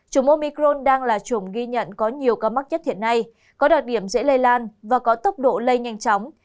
chủng omicron đang là chủng ghi nhận có nhiều ca mắc nhất hiện nay có đặc điểm dễ lây lan và có tốc độ lây nhanh chóng